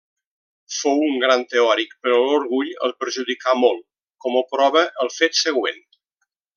Fou un gran teòric, però l'orgull el perjudicà molt, com ho prova el fet següent.